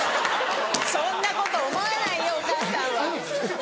そんなこと思わないよお母さんは。